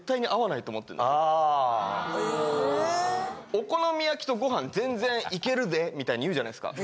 「お好み焼きとご飯全然いけるで」みたいに言うじゃないですか。